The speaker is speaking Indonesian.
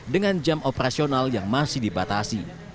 dengan jam operasional yang masih dibatasi